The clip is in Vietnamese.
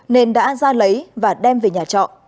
nên đã ra lấy và đem về nhà trọ